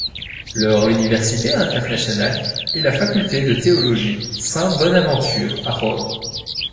Leur université internationale est la faculté de théologie Saint-Bonaventure à Rome.